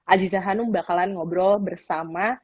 aziza hanum bakalan ngobrol bersama